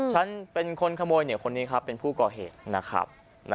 ฉันเป็นคนขโมยคนนี้ครับเป็นผู้ก่อเหตุนะครับ